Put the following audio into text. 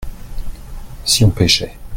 si on pêchait.